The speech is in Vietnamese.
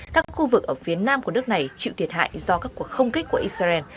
các khu vực ở phía nam của nước này chịu thiệt hại do các cuộc không kích của israel